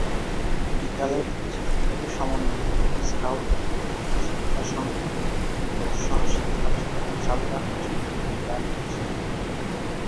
বিদ্যালয়টিতে ছাত্রদের সমন্বয়ে একটি স্কাউট দল, সততা সংঘ ও সহশিক্ষা কার্যক্রম চালু রাখার জন্য একটি ক্লাব রয়েছে।